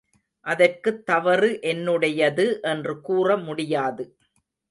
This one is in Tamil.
அதற்குத் தவறு என்னுடையது என்று கூற முடியாது.